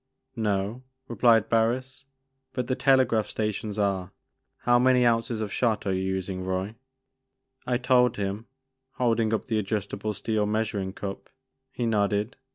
" No," replied Barris, " but the telegraph sta tions are. How many ounces of shot are you using, Roy?" I told him, holding up the adjustable steel measuring cup. He nodded.